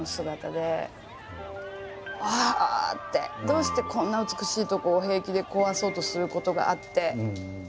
どうしてこんな美しい所を平気で壊そうとすることがあって。